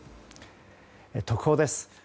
特報です。